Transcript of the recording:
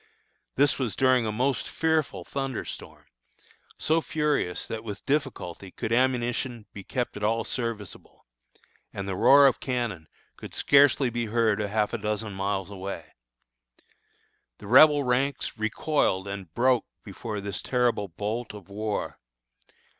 This was during a most fearful thunder storm, so furious that with difficulty could ammunition be kept at all serviceable, and the roar of cannon could scarcely be heard a half dozen miles away. The Rebel ranks recoiled and broke before this terrible bolt of war.